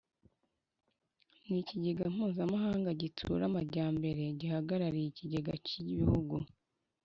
N ikigega mpuzamahanga gitsura amajyambere gihagarariye ikigega cy ibihugu